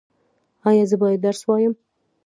ایا زه باید درس ووایم؟